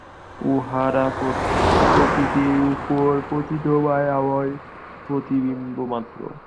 উহারা প্রকৃতির উপর পতিত মায়াময় প্রতিবিম্ব মাত্র।